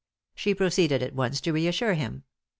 She proceeded at once to reassure him.